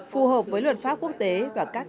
phù hợp với luật pháp quốc tế và các